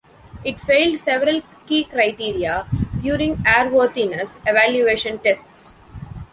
It failed several key criteria during airworthiness evaluation tests.